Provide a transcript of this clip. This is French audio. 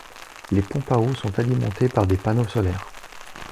Les pompes à eau sont alimentées par des panneaux solaires.